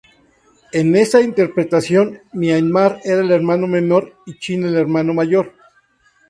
En esa interpretación, Myanmar era el "hermano menor" y China el "hermano mayor".